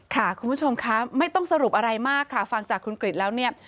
คุณผู้ชมคะไม่ต้องสรุปอะไรมากค่ะฟังจากคุณกริจแล้วเนี่ย